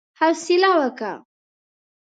حوصله وکه!